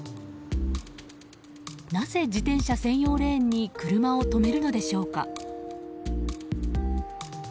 なぜ、自転車専用レーンに車を止めるのでしょうか？